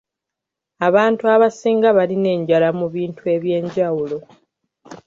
Abantu abasinga balina enjala mu bintu eby’enjawulo.